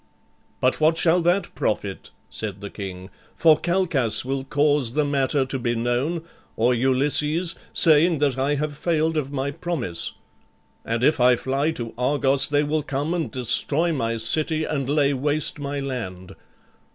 "But what shall that profit," said the king; "for Calchas will cause the matter to be known, or Ulysses, saying that I have failed of my promise; and if I fly to Argos, they will come and destroy my city and lay waste my land.